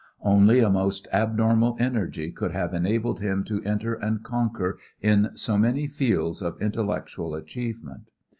Only a most abnormal energy would have enabled him to enter and conquer in so many fields of intellectual achievement.